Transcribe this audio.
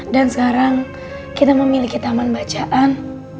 dan sekarang kita memiliki taman bacaan